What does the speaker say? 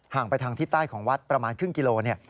ห่างไปทางที่ใต้ของวัดประมาณครึ่งกิโลกรัม